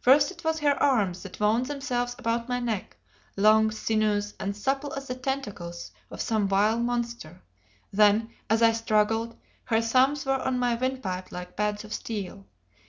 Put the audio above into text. First it was her arms that wound themselves about my neck, long, sinuous, and supple as the tentacles of some vile monster; then, as I struggled, her thumbs were on my windpipe like pads of steel.